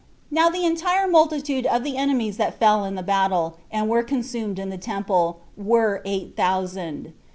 Now the entire multitude of the enemies that fell in the battle, and were consumed in the temple, were eight thousand.